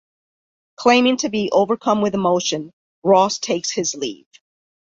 Claiming to be overcome with emotion, Ross takes his leave.